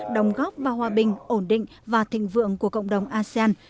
đồng góp vào hòa bình ổn định và thịnh vượng của cộng đồng asean